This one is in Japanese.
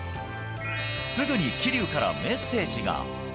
すぐに桐生からメッセージが。